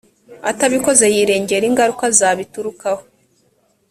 atabikoze yirengera ingaruka zabiturukaho